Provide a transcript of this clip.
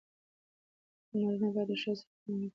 نارینه باید د ښځې سره په مهمو چارو مشوره وکړي.